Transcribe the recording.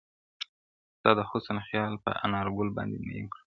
ستا د حسن خیال پر انارګل باندي مین کړمه-